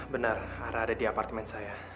benar ada di apartemen saya